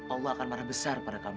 allah akan marah besar pada kamu